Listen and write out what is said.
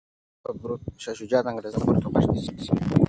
شاه شجاع د انګریزانو خبرو ته غوږ نیسي.